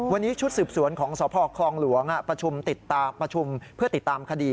วันนี้ชุดสืบสวนของสพครองหลวงประชุมติดตามประชุมเพื่อติดตามคดี